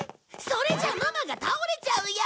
それじゃあママが倒れちゃうよ！